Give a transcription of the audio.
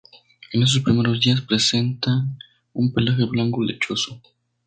En estos primeros días presentan un pelaje blanco lechoso.